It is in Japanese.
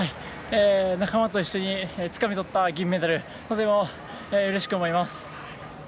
仲間と一緒につかみとった銀メダルとてもうれしく思います。